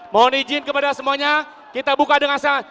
mohon izin kepada semuanya kita buka dengan sah